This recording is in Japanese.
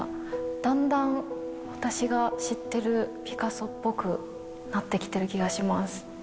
だんだん私が知ってるピカソっぽくなってきてる気がします。